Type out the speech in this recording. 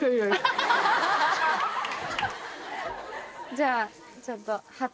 じゃあちょっと。